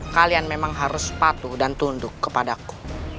kalian memang harus patuh dan tunduk kepadaku